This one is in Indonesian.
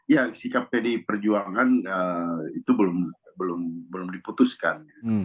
ya sikap pdi perjuangan itu belum diputuskan